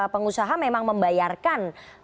pengusaha memang membayarkan